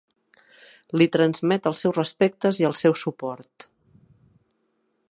Li transmet els seus respectes i el seu suport.